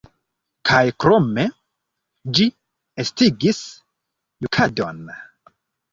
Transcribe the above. Kaj krome, ĝi estigis jukadon.